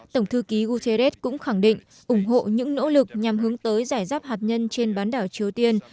tổng thư ký guterres cũng khẳng định ủng hộ những nỗ lực nhằm hướng tới giải giáp hạt nhân trên bán đảo triều tiên